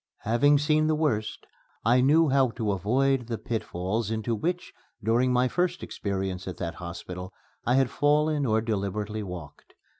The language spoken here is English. Having seen the worst, I knew how to avoid the pitfalls into which, during my first experience at that hospital, I had fallen or deliberately walked.